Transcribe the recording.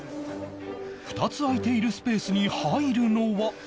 ２つ空いているスペースに入るのは